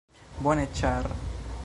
Bone ĉar...